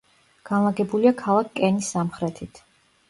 განლაგებულია ქალაქ კენის სამხრეთით.